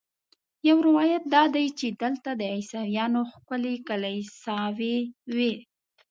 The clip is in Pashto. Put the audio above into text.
یو روایت دا دی چې دلته د عیسویانو ښکلې کلیساوې وې.